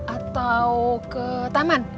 atau ke taman